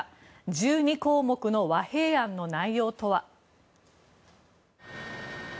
１２項目の和平案の内容とは。